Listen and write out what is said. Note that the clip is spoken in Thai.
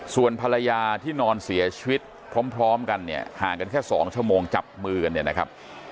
ส่วนภรรยาที่นอนเสียชีวิตพร้อมกันเนี่ยห่างกันแค่๒ชั่วโมงจับมือกันเนี่ยนะครับ